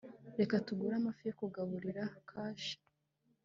reka tugure amafi yo kugaburira kashe